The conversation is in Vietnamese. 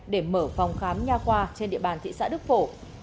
để mở phòng khám nha qua trên địa bàn thị xã đức phổ